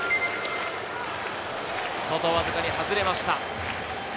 外わずかに外れました。